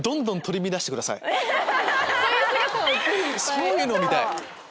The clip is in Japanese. そういうのを見たい！